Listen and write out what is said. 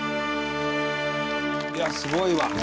いやすごいわ！